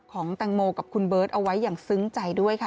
ของแตงโมกับคุณเบิร์ตเอาไว้อย่างซึ้งใจด้วยค่ะ